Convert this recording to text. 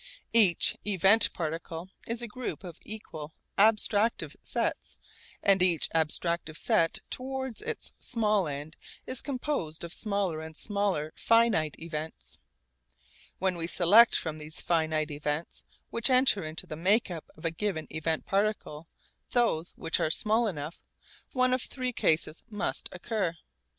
Each event particle is a group of equal abstractive sets and each abstractive set towards its small end is composed of smaller and smaller finite events. When we select from these finite events which enter into the make up of a given event particle those which are small enough, one of three cases must occur.